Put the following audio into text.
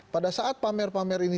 pada saat pamer pamer ini